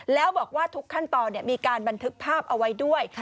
แล้วบอกว่าทุกขั้นตอนมีการบันทึกภาพเอาไว้ด้วย